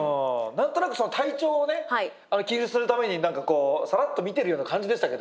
何となくその体調をね気にするために何かこうさらっと見てるような感じでしたけど。